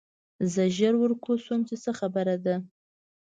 زه ژر ورکوز شوم چې څه خبره ده